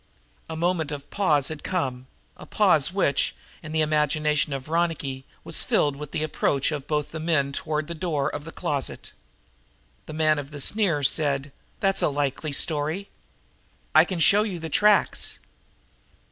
A moment of pause had come, a pause which, in the imagination of Ronicky, was filled with the approach of both the men toward the door of the closet. Then the man of the sneer said: "That's a likely story!" "I can show you the tracks."